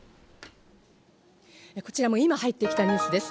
こちらも今入ってきたニュースです。